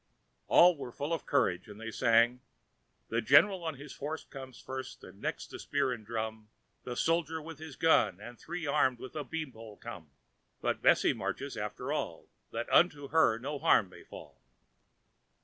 All were full of courage, and they sang: The general on his horse comes first, And next the spear and drum; The soldier, with his gun; and three Armed with a bean pole come. But Bessy marches after all, That unto her no harm may fall.